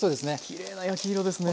きれいな焼き色ですね。